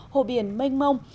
hồ biển mênh mông